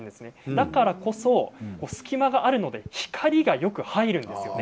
だからこそ隙間があるので光がよく入るんですよね。